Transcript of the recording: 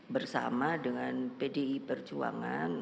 bersama dengan pdi perjuangan